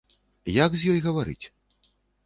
Як з ёй гаварыць?